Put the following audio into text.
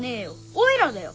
おいらだよ。